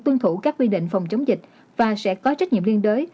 tuân thủ các quy định phòng chống dịch và sẽ có trách nhiệm liên đối